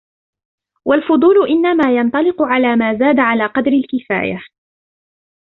وَالْفُضُولُ إنَّمَا يَنْطَلِقُ عَلَى مَا زَادَ عَلَى قَدْرِ الْكِفَايَةِ